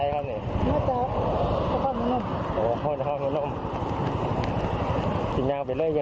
นี่ก็ถือมาเจ้าประชานี่ก็ถือมาเจ้าประชา